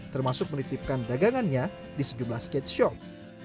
termasuk menitipkan dagangannya di sejumlah skate shop